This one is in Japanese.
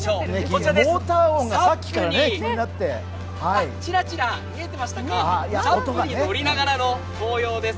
ちらちら見えてましたか、ＳＵＰに乗りながらの紅葉です。